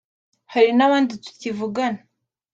hari n’abandi tukivugana